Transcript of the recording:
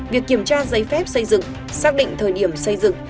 việc kiểm tra giấy phép xây dựng xác định thời điểm xây dựng